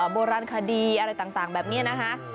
โบราณคดีอะไรต่างแบบนี้นะคะ